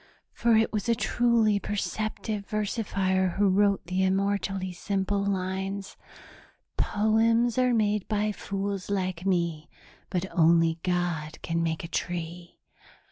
For it was a truly perceptive versifier who wrote the immortally simple lines: 'Poems are made by fools like me, but only God can make a tree.'